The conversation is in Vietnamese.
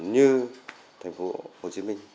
như thành phố hồ chí minh